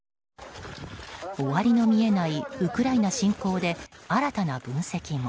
終わりの見えないウクライナ侵攻で新たな分析も。